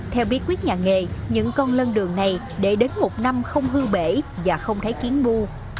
theo bí quyết nhà nghề những con lân đường này để đến một năm không hư bể và không thấy kiến bu